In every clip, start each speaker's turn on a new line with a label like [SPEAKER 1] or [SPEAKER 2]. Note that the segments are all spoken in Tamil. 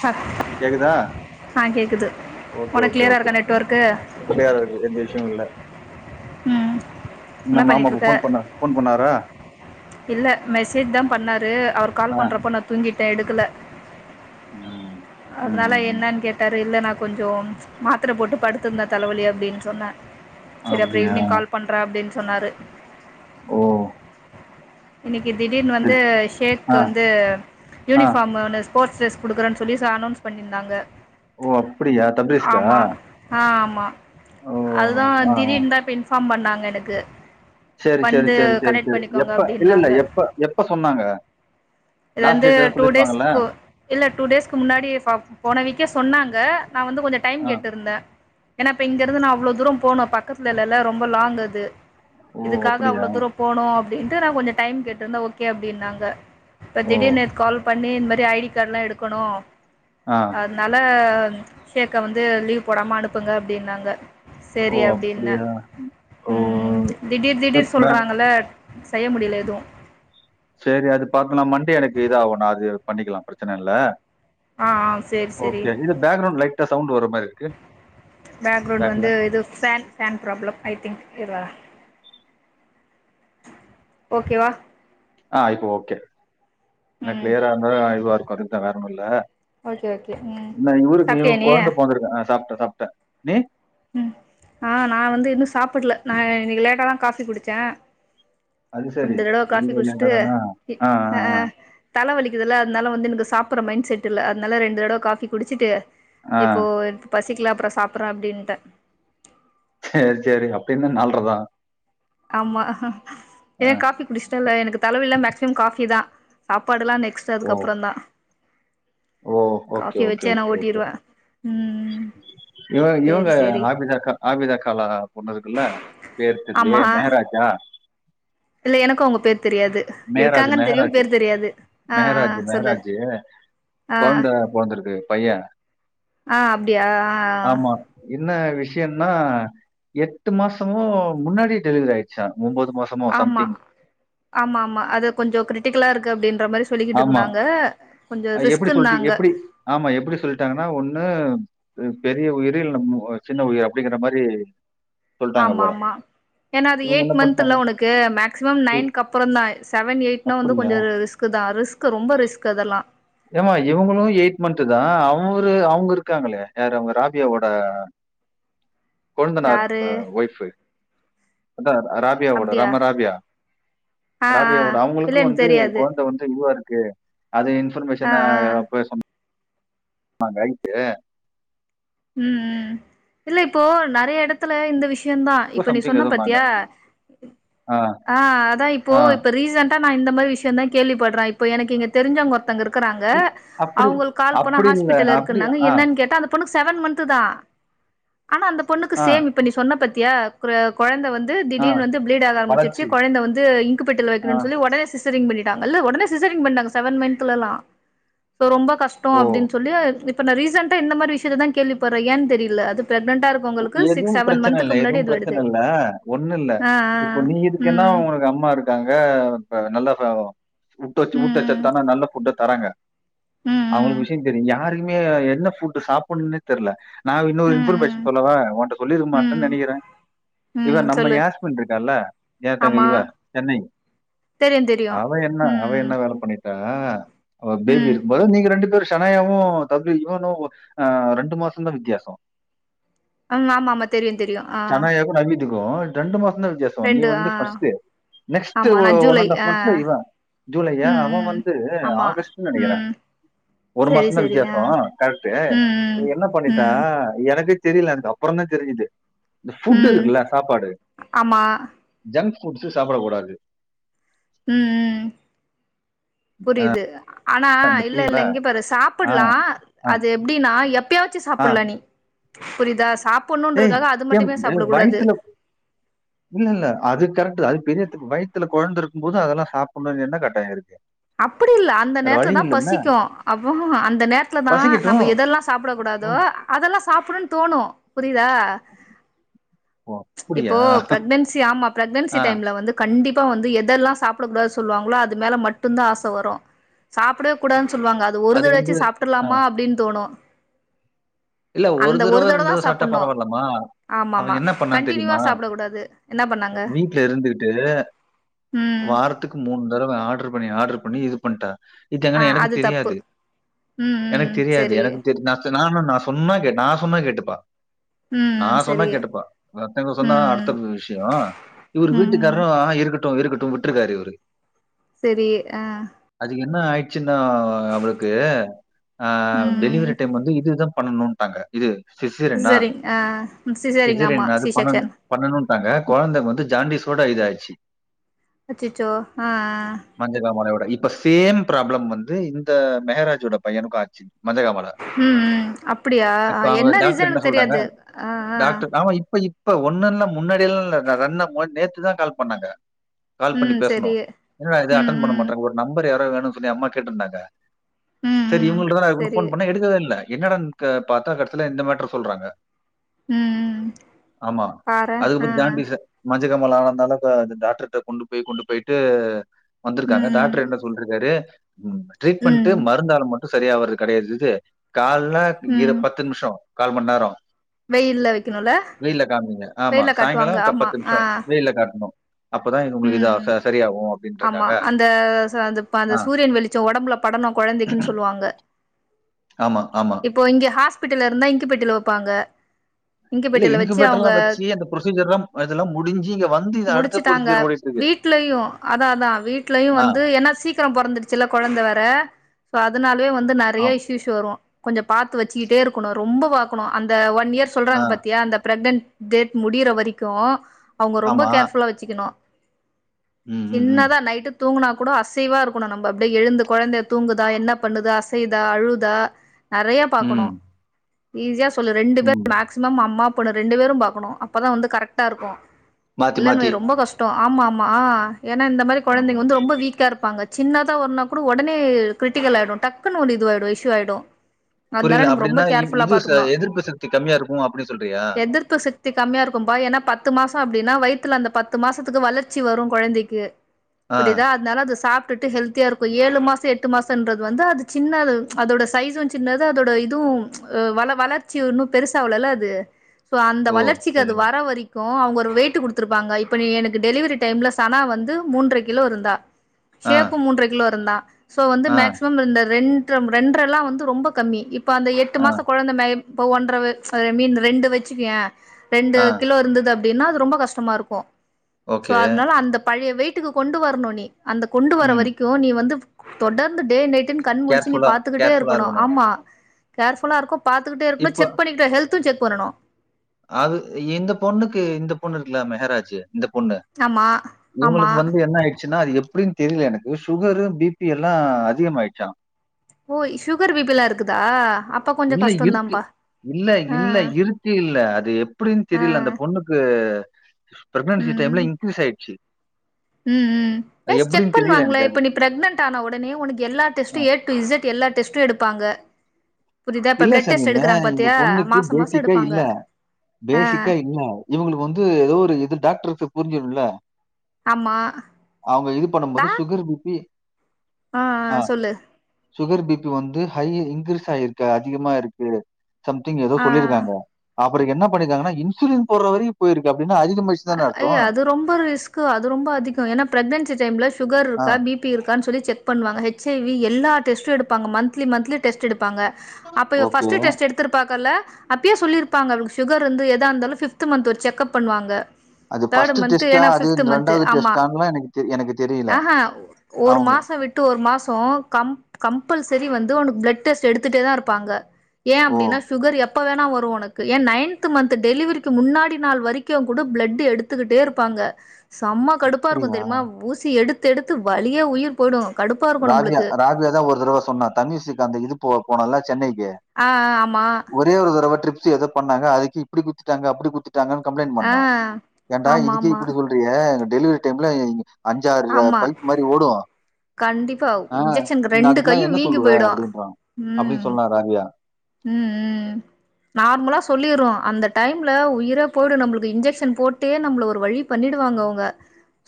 [SPEAKER 1] ச
[SPEAKER 2] கேக்குதா
[SPEAKER 1] ஆ கேக்குது உனக்கு க்ளியராக இருக்கா நெட்ஒர்க்கு
[SPEAKER 2] க்ளியாரா தா இருக்கு எந்த இஷியு இல்ல
[SPEAKER 1] ம் என்ன பண்ணிட்டு
[SPEAKER 2] மாமாக்கு
[SPEAKER 1] இருக்க
[SPEAKER 2] ஃபோன் பண்ண ஃபோன் பண்ணாரா
[SPEAKER 1] இல்ல மெசேஜ் தா பண்ணாரு அவரு கால்
[SPEAKER 2] ஆ
[SPEAKER 1] பண்றப்போ ந தூங்கிட்டே எடுக்கல
[SPEAKER 2] உம்
[SPEAKER 1] அதனால என்னன்னு கேட்டாரு இல்ல நா கொஞ்சோ மாத்திர போட்டு படுத்திருந்தே தலவலி அப்டின் சொன்னாரு செரி அப்புறோ
[SPEAKER 2] அப்படியா
[SPEAKER 1] ஈவினிங் கால் பண்ற அப்டின்னு சொன்னாரு
[SPEAKER 2] ஓ
[SPEAKER 1] இன்னைக்கி திடீர்னு வந்து
[SPEAKER 2] சரி.
[SPEAKER 1] ஷேக்கு
[SPEAKER 2] ஆ
[SPEAKER 1] வந்து
[SPEAKER 2] ஆ
[SPEAKER 1] யூனிஃபார்ம் ஒன்னு ஸ்போர்ட்ஸ் ட்ரெஸ் கொடுக்குறேன்னு சொல்லி அனௌன்ஸ் பண்ணியிருந்தாங்க
[SPEAKER 2] ஓ அப்படியா தப்ரீஸ்கா
[SPEAKER 1] ஆமா ஆ ஆமா
[SPEAKER 2] ஓ
[SPEAKER 1] அதுதா
[SPEAKER 2] ஆ ஆ.
[SPEAKER 1] திடீர்னு தா இப்ப இன்ஃபார்ம் பண்ணாங்க எனக்கு
[SPEAKER 2] செரி செரி
[SPEAKER 1] வந்து
[SPEAKER 2] செரி செரி
[SPEAKER 1] கலெக்ட்
[SPEAKER 2] செரி
[SPEAKER 1] பண்ணிக்கோங்க
[SPEAKER 2] எப்ப இல்ல இல்ல
[SPEAKER 1] அப்படின்னாங்க
[SPEAKER 2] எப்ப எப்ப சொன்னாங்க
[SPEAKER 1] இது
[SPEAKER 2] லாஸ்ட்
[SPEAKER 1] வந்து
[SPEAKER 2] டேட் ஏதாவது
[SPEAKER 1] டூ
[SPEAKER 2] சொல்லிருப்பாங்கல்ல
[SPEAKER 1] டேஸ்கு இல்ல டூ டேஸ்க்கு முன்னாடி இன்பாம் போன வீக்கே சொன்னாங்க நா வந்து கொஞ்ச டைம்
[SPEAKER 2] ஆ
[SPEAKER 1] கேட்டுருந்தே ஏன்னா இப்ப இங்கிருந்து நா அவ்ளோ தூரோ போணு பக்கத்துல இல்லல ரொம்ப லாங் அது
[SPEAKER 2] ஓ
[SPEAKER 1] இதுக்காக
[SPEAKER 2] அப்படியா
[SPEAKER 1] அவ்ளோ தூரம் போனு அப்டின்ட்டு நா கொஞ்சோ டைம் கேட்ருந்தே ஓகே அப்டின்னாங்க இப்ப
[SPEAKER 2] ஓ
[SPEAKER 1] திடீர்னு நேத்து கால் பண் ண்ணே இந்த மாதிரி ஐடி காட் லா எடுக்கணு
[SPEAKER 2] ஆ
[SPEAKER 1] அனால ஷேக்க வந்து லீவ் போடாம அனுப்புங்க அப்டின்னாங்க
[SPEAKER 2] ஓ
[SPEAKER 1] என்ன
[SPEAKER 2] அப்படியா ஓ
[SPEAKER 1] ம் திடீர் திடீர்
[SPEAKER 2] பேக்
[SPEAKER 1] சொல்றாங்கல செய்ய முடியல எது
[SPEAKER 2] செரி அது பாக்கலா மண்டே எனக்கு இதா ஆகு நா அது பண்ணிக்கலா பிரச்சன இல்ல
[SPEAKER 1] ஆ ஆ சேரி சேரி
[SPEAKER 2] ஓகே இது பேக்ரவுண்ட் லைட்டா சவுண்ட் வர மாரி இருக்கு
[SPEAKER 1] பேக்ரவுண்ட்
[SPEAKER 2] பேக்ல.
[SPEAKER 1] வந்து இது fan fan problem I think இவ ஓகே வா
[SPEAKER 2] ஆ இப்போ ஓகே ஏனா
[SPEAKER 1] ம்
[SPEAKER 2] க்ளியரா இருந்தா தா நல்ல இதுவா இருக்கு அதுக் தா வேற ஒன்னுல்ல
[SPEAKER 1] ஓகே ஓகே ம்
[SPEAKER 2] என்ன இவுருக்கு நியூ
[SPEAKER 1] சாப்ட்டியா நீ
[SPEAKER 2] கொழந்த பொறந்திருக்கு ஆ சாப்ட்டே சாப்ட்டே நீ
[SPEAKER 1] ம் ஆ நா வந்து இன்னு சாப்பிட்ல நா இன்னைக்கி லேட்டா தா காஃபி குடிச்சே
[SPEAKER 2] அது சரி.
[SPEAKER 1] ரெண்டு தடவ காஃபி குஸ்ட்டு
[SPEAKER 2] இல்லைன்றதுனா
[SPEAKER 1] இ
[SPEAKER 2] ஆ, ஆ,
[SPEAKER 1] அ அ
[SPEAKER 2] ஆ.
[SPEAKER 1] தல வலிக்குதுல்ல அத்னால வந்து எனக்கு சாப்பட்ற மைண்ட் செட் இல்ல அத்னால ரெண்டு தடவ காஃபி குடிச்சிட்டு
[SPEAKER 2] ஆ.
[SPEAKER 1] இப்போ ப்ப பசிக்கல அப்பறோ சாப்பட்றே அப்டின்ட்ட
[SPEAKER 2] சேரி சேரி அப்டின்னா நால்ர தா
[SPEAKER 1] ஆமா
[SPEAKER 2] ஆ.
[SPEAKER 1] ஏ காஃபி குடிஸ்ட்டல்ல எனக்கு தலவல்னா மேக்சிமம் காஃபி தா சாப்பாடெல்லா நெக்ஸ்ட்டு
[SPEAKER 2] ஓ!
[SPEAKER 1] அதுக்கப்பறந்தா
[SPEAKER 2] ஓ ஓகே ஓகே
[SPEAKER 1] நா
[SPEAKER 2] ஓகே ஓகே
[SPEAKER 1] ஓட்டிருவே ம்
[SPEAKER 2] இவ இவுங்க
[SPEAKER 1] சேரி சேரி
[SPEAKER 2] ஆபிதாக்கா ஆபிதாக்காலா பொண்ணுருக்குல்ல பேர் தெர்லியே
[SPEAKER 1] ஆமா
[SPEAKER 2] மேராஜா
[SPEAKER 1] இல்ல எனக்கு அவுங்க பேர் தெரியாது
[SPEAKER 2] மெஹராஜ்,
[SPEAKER 1] இருக்காங்கன் தெரியு
[SPEAKER 2] மெஹராஜ்,
[SPEAKER 1] பேர் தெரியாது ஆ ஆ சொல்லு
[SPEAKER 2] கு
[SPEAKER 1] ஆ
[SPEAKER 2] கொழந்த பொறந்திருக்கு பைய
[SPEAKER 1] ஆ அப்டியா ஆ
[SPEAKER 2] ஆமா என்ன விஷ்யன்னா எட்டு மாசமோ முன்னாடியே டெலிவரி ஆய்ர்ச்சா ஒம்போது மாச
[SPEAKER 1] ஆமா ஆமா ஆமா அது கொஞ்சோ கிரிட்டிக்கலா இருக்கு அப்டின்ற மாரி
[SPEAKER 2] ஆமா.
[SPEAKER 1] சொல்லிக்கிட்ருந்தாங்க கொஞ்ச
[SPEAKER 2] அஹ் எப்படி சொல்லிட்டு
[SPEAKER 1] ரிஸ்க்குன்னாங்க
[SPEAKER 2] எப்படி ஆமா எப்புடி சொல்ட்டாங்கனா ஒன்னு இத் பெரிய உயிரு இல்னம் ஓ சின்ன உயிரு அப்டிங்கிற மாரி சொல்ட்டாங்க போல.
[SPEAKER 1] ஆமாமா ஏனா அது
[SPEAKER 2] இவங்க என்ன
[SPEAKER 1] எய்ட்
[SPEAKER 2] பண்ணிட்டாங்க
[SPEAKER 1] மன்த்துல்ல உனக்கு மேக்சிமம்
[SPEAKER 2] ஏய்
[SPEAKER 1] நைன்க் அப்பறந்தா செவன் எய்ட்னா வந்து
[SPEAKER 2] அப்படியா?
[SPEAKER 1] கொஞ்சோ ரி ரிஸ்க் கு தா ரிஸ்க்கு ரொம்ப ரிஸ்க் அதெல்லா
[SPEAKER 2] ஏமா இவுங்களு எய்ட் மன்த்து தா அவுரு அவுங்க இருக்காங்களே யாரு அவுங்க ராபியாவோட கொழுந்தனார்
[SPEAKER 1] யாரு
[SPEAKER 2] அ ஒய்ஃபு அதா அ ரா பியாவோட
[SPEAKER 1] அப்டியா
[SPEAKER 2] நம்ம ராபியா
[SPEAKER 1] ஆ ஆ
[SPEAKER 2] ராபியாவோட
[SPEAKER 1] இல்ல
[SPEAKER 2] அவுங்களுக்கு
[SPEAKER 1] எனக்கு
[SPEAKER 2] வந்து
[SPEAKER 1] தெரியாது
[SPEAKER 2] கொழந்த வந்து இதுவா இருக்கு அது
[SPEAKER 1] ஆ
[SPEAKER 2] இன்ஃபர்மேஷனா
[SPEAKER 1] ஆ
[SPEAKER 2] ஆப்ரேஷ் நாங்க ரைட்டு
[SPEAKER 1] ம் ம் இல்ல இப்போ நெறைய எடத்துல இந்த விஷ் யந்தா இப்ப நீ
[SPEAKER 2] சம்திங்
[SPEAKER 1] சொன்ன
[SPEAKER 2] ஏதோ சொன்னாங்க.
[SPEAKER 1] பத்தியா ஆ அதா இப்போ
[SPEAKER 2] ஆ.
[SPEAKER 1] இப்ப ரீசன்ட் டா நா இந்த மாரி விஷ்யந்தா நா கேள்விப்பட்றே இப்ப எனக்கு இங்க தெரிஞ்சவ்ங்க ஒரு த்தங்க இருக்கறாங்க
[SPEAKER 2] ம். அப்படி
[SPEAKER 1] அவுங்கள்க் கால் பண்ணா
[SPEAKER 2] அப்படி இல்ல.
[SPEAKER 1] ஹாஸ்பிட்டல்
[SPEAKER 2] அப்படி
[SPEAKER 1] இருக்குனாங்க
[SPEAKER 2] ஆ,
[SPEAKER 1] என்னன் கேட்டா அந்த பொண்ணுக்கு செவன் மன்த்து தா ஆனா அந்த பொண்ணுக்கு
[SPEAKER 2] ஆ,
[SPEAKER 1] சேம் இப்ப நீ சொன்ன பத்தியா க்குற கொழந்த வந்து
[SPEAKER 2] ஆ.
[SPEAKER 1] திடீர்னு வந்து ப்ளீட் ஆக ஆரம்பிச்சிருச்சு
[SPEAKER 2] வளர்ச்சி.
[SPEAKER 1] கொழந்த வந்து இன்க்குபெட்டர்ல
[SPEAKER 2] ஆ.
[SPEAKER 1] வெக்கணுன் சொல்லி ஒடனே சி் செரிங் பண்ணீட்டாங்க இல்ல ஒடனே சிசெரிங் பண்ணாங்க செவன் மன்த்துலெல்லா சோ ரொம்ப கஷ்டோ
[SPEAKER 2] ஓ!
[SPEAKER 1] அப்டின் சொல்லி ப் இப்ப நா ரீசன்ட்டா இந்த மாரி விஷ்யத்த தா கேள்விபட்ற ஏன் தெரீல அது ப்ரெக்னன்ட்டா இரு
[SPEAKER 2] உ எதுவு பிரச்சனில்ல எதுவு பிரச்சனில்ல ஒன்னுல்ல
[SPEAKER 1] ஆ ஆ
[SPEAKER 2] இப்ப நீ இருக்கன்னா
[SPEAKER 1] ம்
[SPEAKER 2] உனக்கு அம்மா இருக் காங்க இப்ப நல்ல [unintelligible] உட்டச்சு
[SPEAKER 1] ம்
[SPEAKER 2] ஊட்டச்சத்தானா நல்ல ஃபுட்ட தராங்க
[SPEAKER 1] ம்
[SPEAKER 2] அவுங்ளுக்கு
[SPEAKER 1] ம்
[SPEAKER 2] விஷ்யோ தெரிஞ்சா யாருக்குமே அ என்ன ஃபுட் சாப்புட்ணுனே தெர்ல நா
[SPEAKER 1] ம்
[SPEAKER 2] இன்னோரு இன்ஃபர்மேஷன்
[SPEAKER 1] ம்
[SPEAKER 2] சொல்லவா உன்ட்ட சொல்லீர்க்க மாட்டன்
[SPEAKER 1] ம்
[SPEAKER 2] நெனைக்கிற இவ
[SPEAKER 1] ம்
[SPEAKER 2] நம்ம
[SPEAKER 1] சொல்லு
[SPEAKER 2] யாஸ்மின்ருக்கால்ல நேத் அங்க
[SPEAKER 1] ஆமா
[SPEAKER 2] இவ சென்னை
[SPEAKER 1] தெரியு தெரியு
[SPEAKER 2] அவ என்ன அவ
[SPEAKER 1] ம்
[SPEAKER 2] என்ன வேல பண்ணீர்க்கா அவ
[SPEAKER 1] ம்
[SPEAKER 2] பேபி
[SPEAKER 1] ம்
[SPEAKER 2] இருக்கும்போதே நீங்க ரெண்டு பேரு செனாயாவு தம்பி இவனு ஆ ரெண்டு மாசந்தா வித்யாசோ
[SPEAKER 1] அவ் ஆமாமா
[SPEAKER 2] செனாயாக்கு நவிதுக்கு ரெண்டு மாசந்தா வித்தியாச நீ
[SPEAKER 1] ரெண்டு ஆ
[SPEAKER 2] வந்து ஃபஸ்ட் நெக்ஸ்ட்
[SPEAKER 1] ஆமா நா
[SPEAKER 2] ஒன்
[SPEAKER 1] ஜூலை
[SPEAKER 2] அண்ட் ஆஃப்
[SPEAKER 1] ஆ
[SPEAKER 2] மந்தஸ்ல இவ ஜூலையா
[SPEAKER 1] ம்
[SPEAKER 2] அவ
[SPEAKER 1] ம்
[SPEAKER 2] வந்து
[SPEAKER 1] ஆமா
[SPEAKER 2] ஆகஸ்ட்னு நெனைக்கிற
[SPEAKER 1] ம்
[SPEAKER 2] ஒரு
[SPEAKER 1] செரி
[SPEAKER 2] மாசந்தா
[SPEAKER 1] செரி ஆ
[SPEAKER 2] வித்தியாச கரெடு
[SPEAKER 1] ம்
[SPEAKER 2] என்ன
[SPEAKER 1] ம்
[SPEAKER 2] பண்ணிட்ட
[SPEAKER 1] ம்
[SPEAKER 2] எனக்கே தெரில எனக்கு அப்புற தா தெரிஞ்சுது இந்த ஃபுட்டு
[SPEAKER 1] ம்
[SPEAKER 2] இருக்குல்ல சாப்பாடு
[SPEAKER 1] ஆமா
[SPEAKER 2] ஜங்க் ஃபுட்ஸ் சாப்டக் கூடாது
[SPEAKER 1] ம் ம் புரியுது ஆனா
[SPEAKER 2] இந்த
[SPEAKER 1] இல்ல இல்ல
[SPEAKER 2] பீஸா
[SPEAKER 1] இங்க பாரு
[SPEAKER 2] ஆ,
[SPEAKER 1] சாப்புலா
[SPEAKER 2] ஆ,
[SPEAKER 1] அது எப்டினா எப்பயாச்சு
[SPEAKER 2] ஆ.
[SPEAKER 1] சாப்புலா நீ புரியுதா
[SPEAKER 2] ஏய்!
[SPEAKER 1] சாப்புணுன்றருக்காக அது
[SPEAKER 2] ஏன்
[SPEAKER 1] மட்டுமே
[SPEAKER 2] ஏய்,
[SPEAKER 1] சாப்ட கூடாது
[SPEAKER 2] வயித்துல இல்ல இல்ல அது கரெக்ட அது பெரிய தப்பு வய்த்துல கொழந்த இருக்கும் போது அதெல்லா சாப்புணுனு என்ன கட்டாயம் இருக்கு
[SPEAKER 1] அப்படி இல்ல அந்த
[SPEAKER 2] வேற
[SPEAKER 1] நேரத்துல
[SPEAKER 2] வழி
[SPEAKER 1] தா
[SPEAKER 2] இல்லல்ல.
[SPEAKER 1] பசிக்கும் அப்போ அந்த நேரத்துல தா
[SPEAKER 2] பசிக்கட்டும்.
[SPEAKER 1] நம்ம எதெல்லாம் சாப்பிட கூடாதோ
[SPEAKER 2] ஒண்ணு
[SPEAKER 1] அதெல்லா சாப்பிடணுனு தோணு புரியுதா
[SPEAKER 2] ஓ!
[SPEAKER 1] இப்போ
[SPEAKER 2] அப்படியா?
[SPEAKER 1] பிரெக்னன்சி ஆமா பிரெக்னன்சி
[SPEAKER 2] ஆ
[SPEAKER 1] டைம்ல வந்து கண்டிப்பா வந்து எதெல்லா சாப்பிடக் கூடாதுன் சொல்லுவாங்களோ அது மேல மட் ட்டுந்தா ஆச வரு சாப்பிடவே கூடாது சொல்லுவாங்க அது அத ஒரு தடவயாச்சு
[SPEAKER 2] ஆ
[SPEAKER 1] சாப்டுர்லாமா அப்டினு தோணு
[SPEAKER 2] இல்ல ஒரு
[SPEAKER 1] அந்த
[SPEAKER 2] தரவ
[SPEAKER 1] தடவ
[SPEAKER 2] ரெண்டு
[SPEAKER 1] தா
[SPEAKER 2] தரவ சாப்டா
[SPEAKER 1] சாப்புட்ணு
[SPEAKER 2] பரவாலமா அவ
[SPEAKER 1] ஆமாமா
[SPEAKER 2] என்ன பண்ணான்
[SPEAKER 1] கண்டினியூவா
[SPEAKER 2] தெரிமா
[SPEAKER 1] சாப்பிடக் கூடாது என்ன பண்ணாங்க
[SPEAKER 2] வீட்ல இருந்துட்டு
[SPEAKER 1] ம்
[SPEAKER 2] வாரத்துக்கு மூணு தடவ ஆடுரு பண்ணி ஆடுரு பண்ணி இது பண்டா
[SPEAKER 1] ஆ
[SPEAKER 2] இத்தெங்கன்னா எனக்கு
[SPEAKER 1] அது தப்பு
[SPEAKER 2] தெரியாது
[SPEAKER 1] ம்
[SPEAKER 2] எனக்கு
[SPEAKER 1] ம்
[SPEAKER 2] தெரியாது
[SPEAKER 1] செரி
[SPEAKER 2] எனக்கு தெரினா இத்த நார்மலா நா சொன்னா கேட் நா சொன்னா கேட்டுப்பா
[SPEAKER 1] ம்
[SPEAKER 2] நா
[SPEAKER 1] ம்
[SPEAKER 2] சொன்னா
[SPEAKER 1] செரி
[SPEAKER 2] கேட்டுப்பா அடுத்தவங்க சொன்னா
[SPEAKER 1] ம்
[SPEAKER 2] அடுத்தடுத்த விஷயோ இவரு
[SPEAKER 1] ம்
[SPEAKER 2] வீட்டுக்கார்
[SPEAKER 1] ம்
[SPEAKER 2] அப்றோ ஆ இருக்கட்டு இருக்கட்டு விட்ருகாரு இவரு
[SPEAKER 1] செரி அ
[SPEAKER 2] அதுக் என்ன ஆயிச்சின்னா அவுளுக்கு ஆ
[SPEAKER 1] ம்
[SPEAKER 2] டெலிவரி
[SPEAKER 1] ம்
[SPEAKER 2] டைம் வந்து இதுதா பண்ணணுடாங்க இது சிசேரியனா
[SPEAKER 1] சிசரிங் ஆ சிசரிங் ஆமா
[SPEAKER 2] சிசேரியன் அது
[SPEAKER 1] சி
[SPEAKER 2] பண்ணனு
[SPEAKER 1] செக்ஷன்
[SPEAKER 2] பண்ணணுட்டாங்க கொழந்த வந்து ஜாண்டிஸோட இது ஆச்சு
[SPEAKER 1] அச்சச்சோ அ அ
[SPEAKER 2] மஞ்சகாமலயோட இப்ப சேம் ப்ராப்ளம் வந்து இந்த மெகராஜோட பையனுக்கு ஆச்சு மஞ்சகாமல
[SPEAKER 1] ம் ம் அப்படியா அ என்ன ரீசன்னு
[SPEAKER 2] டாக்டர்
[SPEAKER 1] எனக்கு
[SPEAKER 2] சொல்றாங்க?
[SPEAKER 1] தெரியாது அ அ
[SPEAKER 2] டாக்டர் ஆமா இப்பலி இப்ப ஒன்னுல்ல முன்னாடி எல்லா இல்ல ரண்ன நேத்துதா கால் பண்ணாங்க கால் பண்ணி
[SPEAKER 1] ம்
[SPEAKER 2] பேசுணு
[SPEAKER 1] செரி
[SPEAKER 2] என்னடா இது
[SPEAKER 1] ம்
[SPEAKER 2] அட்டன் பண்ண
[SPEAKER 1] ம்
[SPEAKER 2] மாட்ராங்க ஒரு நம்பர் யாரோ வேணு சொல்லி அம்மா கேட்ருந்தாங்க
[SPEAKER 1] ம்
[SPEAKER 2] செரி
[SPEAKER 1] ம்
[SPEAKER 2] இவுங்குள்ட தான இருக்கனு
[SPEAKER 1] செரி
[SPEAKER 2] ஃபோன் பண்ண எடுக்கவே இல்ல என்னடான்க பாத்தா கடசில இந்த மேட்ர சொல்றாங்க
[SPEAKER 1] ம் ம்
[SPEAKER 2] ஆமா
[SPEAKER 1] பாறே ஆ
[SPEAKER 2] அதுக்கப் ஜாண்டிஸ மஞ்சகமால ஆனதுனால அந்த டாக்டர்ட கொண்டு போய் கொண்டு போயிட்டு வந்திருக்காங்க
[SPEAKER 1] ம்
[SPEAKER 2] டாக்டர் என்ன சொல்லிருக்காரு ட்ரீட்மெண்ட்டு
[SPEAKER 1] ம்
[SPEAKER 2] மருந்தாள மட் சரிய வறது கடையாது இது கால்ல இர்ர
[SPEAKER 1] ம்
[SPEAKER 2] பத்து நிமிஷோ கால் மண் நேரோ
[SPEAKER 1] வெயில்ல வைக்கணுல
[SPEAKER 2] வெயில காமீங்க ஆமா
[SPEAKER 1] வெயில்ல
[SPEAKER 2] சாய்ங்காலோ
[SPEAKER 1] காட்டுவாங்க ஆமா
[SPEAKER 2] பத்து
[SPEAKER 1] ஆ
[SPEAKER 2] நிமிஷோ வெயில காட்ணு அப்பதா இது உங்ளுக்கு இது
[SPEAKER 1] ம்
[SPEAKER 2] ச சரியாகும்
[SPEAKER 1] ஆமா
[SPEAKER 2] அப்டின்ருக்காங்க
[SPEAKER 1] அந்த அந்த
[SPEAKER 2] ஆ
[SPEAKER 1] சூரியன் வெளிச்சோ ஒடம்புல படனு கொழந்தைக்குன் சொல்லுவாங்க
[SPEAKER 2] ஆமா ஆமா
[SPEAKER 1] இப்போ இங்க ஹாஸ்பிட்டல இருந்தா இன்குபேட்டுல வப்பாங்க
[SPEAKER 2] இல்ல இன்குபேட்டர்லா வச்சு அந்த ப்ரொசீஜர்லா இதெல்லா முடிஞ்சி இங்க வந்து இது அடுத்த
[SPEAKER 1] முடிச்சுட்டாங்க
[SPEAKER 2] ப்ரொசீஜர் ஓடிட்
[SPEAKER 1] வீட்லயு அதா அதா வீட்லயு
[SPEAKER 2] ஆ,
[SPEAKER 1] வந்து ஏனா சிக் சீக்கிரம் பொறந்திருச்சில்ல கொழந்தை வேற சோ அதனாலயே வந்து நெறயா
[SPEAKER 2] ஆம்,
[SPEAKER 1] இஷ்யூஷ் வரு கொஞ்சோ பாத்து வெச்சுகிட்டே இருக்கணு ரொம்ப பாக்கணு அந்த ஒன் இயர்
[SPEAKER 2] ஆ,
[SPEAKER 1] சொல்றாங்க பாத்தியா அந்த ப்ரெக்னன் டேட் முடியற வரைக்கு அவுங்க ரொம்ப
[SPEAKER 2] ஆமா.
[SPEAKER 1] கேர்ஃபுல்லா வெச்சிக்கணு
[SPEAKER 2] ம், ம், ம்,
[SPEAKER 1] சின்னதா நைட்டு தூங்னா கூட அசைவா இருக்கணு நம்ம அப்டே எழுந்து கொழந்த தூங்குதா என்ன பண்ணுது அசைதா அழுதா நெறையா பாக்கணு
[SPEAKER 2] ம்,
[SPEAKER 1] ஈஸியா சொல்லு ரெண்டு பேர்
[SPEAKER 2] ம்.
[SPEAKER 1] மேக்சிமம் அம்மா பொண்ணு ரெண்டு பேரு பாக்கணு அப்பதா வந்து கரெக்ட்டா இருக்கு
[SPEAKER 2] மாத்தி,
[SPEAKER 1] இல்லன்னு வை
[SPEAKER 2] மாத்தி.
[SPEAKER 1] ரொம்ப கஷ் டோ ஆமாமா ஏனா இந்த மாரி
[SPEAKER 2] ஆஹா.
[SPEAKER 1] கொழந்தைங்க வந்து ரொம்ப வீக்கா இருப்பாங்க சின்னதா ஒண்ணா கூட ஒடனே க்ரிட்டிக்கல் ஆயிடு டக்குன்னு ஒரு இதுவாயிடு இஷ்யூ ஆயிடு அதனால
[SPEAKER 2] புரில
[SPEAKER 1] நம்ம ரொம்ப
[SPEAKER 2] அப்டினா இ
[SPEAKER 1] கேர்ஃபுல்லா
[SPEAKER 2] இது
[SPEAKER 1] பாத்துக்கணு
[SPEAKER 2] எதிர்ப்பு சக்தி கம்மியா இருக்கு அப்டின் சொல்றியா
[SPEAKER 1] உப்பு சக்தி கம்மியா இருக்கும்பா ஏனா பத்து மாசோ அப்டினா வயித்ல அந்த பத்து மாசத்துக்கு வளர்ச்சி வரு கொழந்தைக்கு
[SPEAKER 2] ஆ.
[SPEAKER 1] புரிதா அதனால அத சா ட்டுட்டு ஹெல்தியா இருக்கு ஏழு மாசோ எட்டு மாசோன்றது வந்து அது சின்ன ம்ச் அதோட சைஸ் வந் சின்னது அதோட இதுவும் ம்ச் வள வளர்ச்சி இன்னு பெருசாவலல்ல அது சோ அந்த
[SPEAKER 2] ஓ!
[SPEAKER 1] வளர்ச்சிக்கு அது
[SPEAKER 2] சரி.
[SPEAKER 1] வர வரை க்கு அவுங்க ஒரு வெயிட் குடுத்திருப்பாங்க இப்போ நீ எனக்கு டெலிவரி டைம்ல சனா வந்து மூன்ற கிலோ இருந்தா
[SPEAKER 2] ஆ,
[SPEAKER 1] ஷேக்கூ மூன்ற கிலோ இருந்தான் சோ வந்து
[SPEAKER 2] ஆ,
[SPEAKER 1] மேக்சிமம் இந்த ரெண்ற ரெண்றல்லா வந்து ரொம்ப கம்மி இப் இப்ப அந்த எட்டு
[SPEAKER 2] ஆ,
[SPEAKER 1] மாச கொழந்த மே இப்ப ஒன்ற ஐ மீன் ரெண்டு வெச்சுக்கயே ரெண்டு
[SPEAKER 2] ஆ.
[SPEAKER 1] கிலோ இருந்தது அப்டினா அது ரொம்ப கஷ்டமா இருக்கு சோ
[SPEAKER 2] ஓகே.
[SPEAKER 1] அதனால அந்த பழைய வெயிட் க்கு கொண்டு வரணு நீ அந்த கொண்டு வர்ற
[SPEAKER 2] ம்.
[SPEAKER 1] வரைக்கு நீ வந்து தொடர்ந்து டே நைட்டுனு கண்முழிச்சி நீ
[SPEAKER 2] கேர்ஃபுல்லா
[SPEAKER 1] பாத்துகிட்டே இரு
[SPEAKER 2] கேர்ஃபுல்லா இருக்கணும்.
[SPEAKER 1] ப்பா கேர்ஃபுலா இருக்கு பாத்துகிட்டே இருக்கணு
[SPEAKER 2] இப்ப
[SPEAKER 1] செக் பண்ணிட்டே ஹெல்த்து செக் பண்ணணு
[SPEAKER 2] அது இந்த பொண்ணுக்கு இந்த பொண்ணு இருக்கல்ல மெஹராஜ் இந்த பொண்ணு
[SPEAKER 1] ஆமா ஆமா
[SPEAKER 2] இவுங்களுக்கு வந்து என்ன ஆயிடுச்சுன்னா அது எப்டின் தெரில எனக்கு சுகரு பி பி எல்லா அதிகமாயிச்சான்
[SPEAKER 1] ஓய் சுகர் பி பி எல்லா இருக்குதா அப்பா கொஞ்சோ
[SPEAKER 2] இல்ல இருக்கு.
[SPEAKER 1] கஷ்டந்தான்பா
[SPEAKER 2] இல்ல இல்ல இருக்கு இல்ல அது எப்டின்னு தெரில அந்த பொண்ணுக்கு பிரெகனன்சி
[SPEAKER 1] ம்
[SPEAKER 2] டைம்ல இன்கிரீஸ் ஆயிடுச்சு
[SPEAKER 1] ம் ம்
[SPEAKER 2] அது
[SPEAKER 1] ஏ செக்
[SPEAKER 2] எப்படின்னு தெரியல
[SPEAKER 1] பண்ணுவாங்ளே
[SPEAKER 2] எனக்கு அது.
[SPEAKER 1] இப்ப ப்ரெக்னட் ஆன உடனே உனக்கு எல்லா டெஸ்ட்டு ஏ டூ இசட் எல்லா டெஸ்ட்டு எடுப்பாங்க புரியுதா இப்ப
[SPEAKER 2] இல்ல
[SPEAKER 1] பிளட் டெஸ்ட்
[SPEAKER 2] சாமிங்க
[SPEAKER 1] எடுக்கறாங்க
[SPEAKER 2] இந்த
[SPEAKER 1] பாத்தியா
[SPEAKER 2] பொண்ணுக்கு
[SPEAKER 1] மாச மாச
[SPEAKER 2] பேசிக்கா
[SPEAKER 1] எடுப்பாங்க
[SPEAKER 2] இல்ல பேசிக்கா இல்ல இவங்களுக்கு வந்து ஒரு இது டாக்டர்க்கு புரிஞ்சிருமல்ல
[SPEAKER 1] ஆமா
[SPEAKER 2] அவுங்க இது பண்ணும்போது
[SPEAKER 1] டா
[SPEAKER 2] சுகர் பி பி
[SPEAKER 1] ஆ ஆ
[SPEAKER 2] அ
[SPEAKER 1] சொல்லு
[SPEAKER 2] சுகர் பி பி வந்து ஹை இன்கிரீஸ் ஆயிருக்கு அதிகமா இருக்கு சம்திங் எதோ
[SPEAKER 1] ஆ
[SPEAKER 2] சொல்லிருக்காங்க அப்றோ என்ன பண்ணிருக்காங்கனா இன்சுலின் போட்ற வரைக்கு போயிருக்கு அப்டினா அதிகமாயிருச்
[SPEAKER 1] ஏய் அது ரொம்ப ரிஸ்க்கு அது ரொம்ப அதிகோ ஏனா பிரக்னன்சி டைம்ல சுகர்
[SPEAKER 2] ஆ
[SPEAKER 1] இருக்கா பி பி இருக்கான் சொல்லி செக் பண்ணுவாங்க எச் ஐ வி எல்லா டெஸ்ட்டு எடுப்பாங்க மந்த்லி மந்த்லி டெஸ்ட்டு எடுப்பாங்க அப்ப இவ
[SPEAKER 2] ஓகே.
[SPEAKER 1] ஃபர்ஸ்ட் டெஸ்ட்டு எடு த்திருப்பாங்கல்ல அப்யே சொல்லிருப்பாங்க அவளுக்கு சுகர் இருந்து எதாயிந்தாலு ஃபிப்த் மந்த் ஒரு செக்கப் பண்ணுவாங்க
[SPEAKER 2] அது
[SPEAKER 1] தேர்டு மந்த்
[SPEAKER 2] டெஸ்ட்டா?
[SPEAKER 1] ஏனா
[SPEAKER 2] அது
[SPEAKER 1] ஃபிப்த்து மந்த் ஆமா
[SPEAKER 2] டெஸ்ட்டான்னுலாம் எனக்கு தெ எனக்கு தெரியல.
[SPEAKER 1] அஹா ஒரு
[SPEAKER 2] அவங்க
[SPEAKER 1] மாசோ வி ட்டு ஒரு மாசோ கம் கம்பல்செரி வந்து உனக்கு பிளட் டெஸ்ட் எடுத்துட்டேதா இருப்பாங்க ஏன்
[SPEAKER 2] ஓ!
[SPEAKER 1] அப்டினா சுகர் எப்ப வேணா வரு உனக்கு ஏனீ நைந்த் மந்த் டெலிவரிக்கு முன்னாடி நாள் வரைக்குங் கூட பிளட் எடுத்துகிட்டே இருப்பாங்க செம்ம கடுப்பா இருக்குந்
[SPEAKER 2] அப்படியா?
[SPEAKER 1] தெரிமா ஊசி எடு த்து எடுத்து வலியே உயிர் போயிடு கடுப்பா இருக்கு
[SPEAKER 2] ராதிகா
[SPEAKER 1] நம்மளுக்கு
[SPEAKER 2] ராதிகாதா ஒரு தரவ சொன்னா தண்ணிஷ்க்கு அந்த இது போ போனோல்ல சென்னைக்கு
[SPEAKER 1] ஆ அ ஆமா
[SPEAKER 2] ஒரே ஒரு தடவ ட்ரிப்ஸ் எத பண்ணாங்க அதுக்கு இப்டி குத்திட்டாங் அப்டி குத்துட்டா டாங்கனு கம்ப்ளைண்ட்
[SPEAKER 1] ஆ
[SPEAKER 2] பண்ணா ஏன்டா
[SPEAKER 1] ஆமா
[SPEAKER 2] இதுக்கே
[SPEAKER 1] ஆமா
[SPEAKER 2] இப்டி சொல்ற ங்க டெலிவரி டைம்ல அஞ்சாரு
[SPEAKER 1] ஆமா
[SPEAKER 2] பைப் மாரி ஓடும்
[SPEAKER 1] கண்டிப்பா
[SPEAKER 2] ஆ
[SPEAKER 1] இன்ஜெக்ஷனுக்கு
[SPEAKER 2] இந்த
[SPEAKER 1] ரெண்டு
[SPEAKER 2] அதுக்கெல்லாம்
[SPEAKER 1] கையு
[SPEAKER 2] என்ன
[SPEAKER 1] வீங்கி
[SPEAKER 2] சொல்லுவ
[SPEAKER 1] போயிடு
[SPEAKER 2] அப்டின்றான். அப்டின்னு சொன்னா ராவியா.
[SPEAKER 1] ம் ம் நார்மலா சொல்லிருவோ அந்த டைம்ல உயிரெ போயி்டு நம்மளுக்கு இன்ஜெக்ஷன் போட்டே நம்மள ஒரு வழி பண்ணிடுவாங்க அவங்க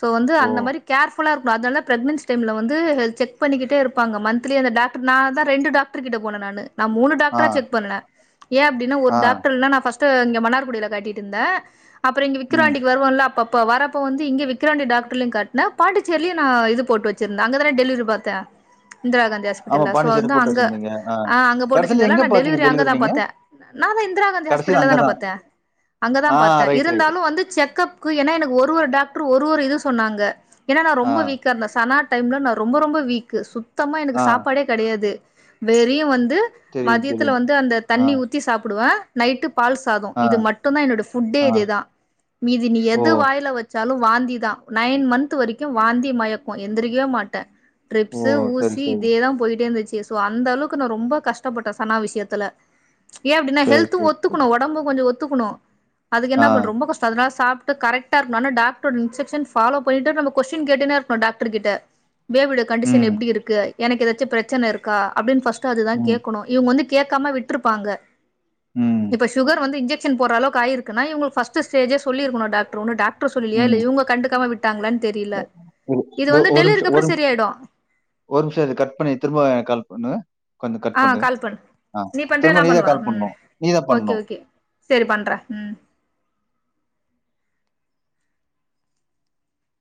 [SPEAKER 1] சோ வந்து
[SPEAKER 2] ஓ!
[SPEAKER 1] அந்த மாரி புல்லாருக்கு அதனால பிரெகனன்சி டைம்ல வந்து ஹெல்த் செக் பண்ணிகிடே இருபாங்க மந்தலி டாக்டர் நா அத ரெண்டு டாக்டர் கிட்ட போன நானு நா மூணு
[SPEAKER 2] ஆ,
[SPEAKER 1] டாக்டரா செக் பண்ணல ஏ அப்டின்னா ஒரு
[SPEAKER 2] ஆ,
[SPEAKER 1] டாக்டர்ல நா ஃபஷ்டு இங்க மன்னார்குடில காட்டிட்டு இருந்த அப்புற இங்க
[SPEAKER 2] ம்.
[SPEAKER 1] விகிராண்டிக்கு வருவொல்ல அப்பப்ப வரப்ப வந்து இங்க விக்கிராண்டி டாக்ட்ர்லயு காட் நா பாண்டிச்சேர்லயு நா இது போட்டு வச்சிருந்தெ அங்கதானே டெலிரி பாத்தெ இந்திரா காந்தி
[SPEAKER 2] ஆமா
[SPEAKER 1] டல்ல சோ
[SPEAKER 2] பாண்டிச்சேரி
[SPEAKER 1] வந்து
[SPEAKER 2] போட்டு
[SPEAKER 1] அங்க
[SPEAKER 2] வச்சிருந்தீங்க.
[SPEAKER 1] ஆ அங்க
[SPEAKER 2] கடைசில
[SPEAKER 1] போட்டுசந்தல்ல
[SPEAKER 2] எங்க
[SPEAKER 1] நா
[SPEAKER 2] பாத்தீங்க
[SPEAKER 1] டெலிவரி அங்கதா
[SPEAKER 2] நீங்க?
[SPEAKER 1] பாாத்தே நா தா இந்திரா காந்தி
[SPEAKER 2] கடைசில
[SPEAKER 1] ஹாஸ்பிட்டல்ல
[SPEAKER 2] அங்க
[SPEAKER 1] தான
[SPEAKER 2] தான்.
[SPEAKER 1] பாத்தே அங்கதா
[SPEAKER 2] ஆ
[SPEAKER 1] பாத்தே
[SPEAKER 2] ரைட், ரைட்.
[SPEAKER 1] இருந்தாலு வந்து செக்கப் ஏன்னா எனக்கு ஒரு ஒரு டாக்டர் ஒரு ஒரு இது சொன்னாங்க ஏன்னா நா
[SPEAKER 2] ஆ,
[SPEAKER 1] ரொம்ப வீக் இருந்த சனா டைம்ல நா ரொம்ப ரொம்ப வீக் சுத்தமா எனக்கு
[SPEAKER 2] ஆ.
[SPEAKER 1] சாப்பாடே கடையாது வெறியு வந்து
[SPEAKER 2] தெரியும்,
[SPEAKER 1] மதியத்தில
[SPEAKER 2] தெரியும்.
[SPEAKER 1] வந்து அந்த
[SPEAKER 2] ஆ,
[SPEAKER 1] தண்ணி ஊத்தி சாப்டுவே நைட்டு பால் சாதம்
[SPEAKER 2] ஆ,
[SPEAKER 1] இது மட் டு தா என்னுட ஃபுட்டே
[SPEAKER 2] ஆ.
[SPEAKER 1] இதுதா மீதி நீ
[SPEAKER 2] ஓ!
[SPEAKER 1] எது வாய்ல வச்சாலு வாந்திதா நைன் மந்த் வரைக்கு வாந்தி மயக்கும் எந்திரக்கவே மாட்டேன்
[SPEAKER 2] ஓ!
[SPEAKER 1] டரிப்ஸ்
[SPEAKER 2] சரி,
[SPEAKER 1] ஊசி
[SPEAKER 2] சரி,
[SPEAKER 1] இதேதான் போயிட்டே இருந்துச்சு சோ அந்த அளவுக்கு நா ரொம்ப கஷ்டப்பட்ட சனா விஷயத்துல ஏன் அப்டின்னா
[SPEAKER 2] சரி,
[SPEAKER 1] ஹெல்த்த்தும்
[SPEAKER 2] சரி.
[SPEAKER 1] ஒத்துக்கணும் ஒடம்பும் கொஞ்ச ஒத்துக்கணும் அது
[SPEAKER 2] ஆ.
[SPEAKER 1] என்ன பண்ற ரொம்ப கஷ்டம் அதனால சாப்ட்டு கரக்டா இரு டாக்டஸ்டோட இன்ஸ்டக்ஷன் ஃபாலோ போயிட்டு நம்ம கொஸ்டின் கேட்டுடே இருக்கோ டாக்டர் கிட்ட பேபியோட கண்டிஷன்
[SPEAKER 2] ம்,
[SPEAKER 1] எப்டி இருக்கு எனக்கு ஏதாச்சும் பிரச்சன இருக்கா அப்டின்னு ஃர்ஸ்ட்ட் அதுதா
[SPEAKER 2] ம்,
[SPEAKER 1] கேக்கணும் இவங்க வந்து கேக்காம விட்டுருப்பாங்க
[SPEAKER 2] ம்
[SPEAKER 1] இப்ப சுகர் வந்து இன்ஜெக்ஷன் போட்ற அளவுக்கு ஆயிருக்குன்னா இங்க ஃபஸ்ட்ஸேஜே சொல்லிருக்கணும் டாக்டர் ஒன்னு டர் சொல்லலியா இல்ல
[SPEAKER 2] ம்.
[SPEAKER 1] இவங்க கண்டுக்காம விட்டாங்களனு தெரில
[SPEAKER 2] இரு
[SPEAKER 1] இது
[SPEAKER 2] இதோ
[SPEAKER 1] வந்து
[SPEAKER 2] ஒரு
[SPEAKER 1] டெலிவரிக்கு
[SPEAKER 2] நிமிஷம் ஒரு
[SPEAKER 1] அப்றம்
[SPEAKER 2] நிமிஷம்
[SPEAKER 1] சரியாயிடும்
[SPEAKER 2] ஒரு நமிஷம் இரு கட் பண்ணி திரும்ப கால் பண்ணு கொஞ்ச கட்
[SPEAKER 1] ஆ
[SPEAKER 2] பண்ண
[SPEAKER 1] கால் பண்ணு
[SPEAKER 2] ஆ
[SPEAKER 1] நீ பண்றியா
[SPEAKER 2] திரும்ப
[SPEAKER 1] நா
[SPEAKER 2] நீதா
[SPEAKER 1] பண்ணவா
[SPEAKER 2] கால்
[SPEAKER 1] ம்
[SPEAKER 2] பண்ணும் நீதா
[SPEAKER 1] ஓகே
[SPEAKER 2] பண்ணும்
[SPEAKER 1] ஓகே சரி பண்றேன் ம்